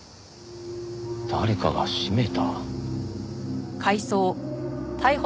誰かが閉めた？